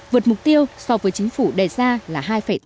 vượt mục tiêu so với chính phủ đề ra là hai tám mươi